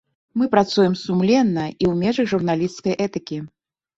Мы працуем сумленна і ў межах журналісцкай этыкі.